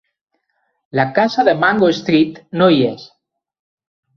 La casa de Mango Street no hi és.